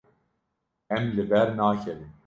Em li ber nakevin.